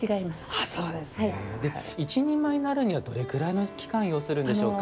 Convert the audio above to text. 一人前になるにはどれくらいの期間を要するんでしょうか。